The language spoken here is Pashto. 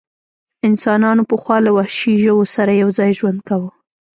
انسانانو پخوا له وحشي ژوو سره یو ځای ژوند کاوه.